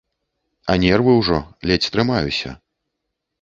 А нервы ўжо, ледзь трымаюся.